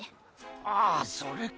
ああそれか。